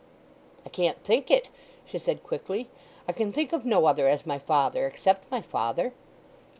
"I can't think it," she said quickly. "I can think of no other as my father, except my father."